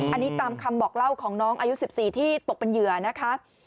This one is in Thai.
อันนี้ตามคำบอกเล่าของน้องอายุ๑๔ที่ตกเป็นเหยื่อนะคะ